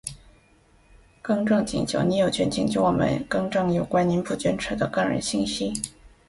更正请求。您有权请求我们更正有关您的不准确的个人信息。